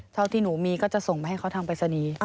เท่าที่หนูมีก็จะส่งไปให้เขาทางปริศนีย์